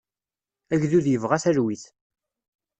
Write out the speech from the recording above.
Agdud yebɣa talwit.